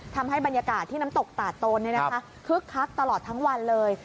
ทำให้บรรยากาศที่น้ำตกตาดโตนคึกคักตลอดทั้งวันเลย